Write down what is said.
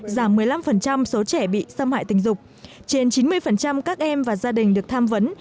giảm một mươi năm số trẻ bị xâm hại tình dục trên chín mươi các em và gia đình được tham vấn